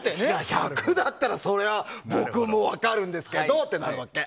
１００だったらそれは僕も分かるんですけどってなるわけ。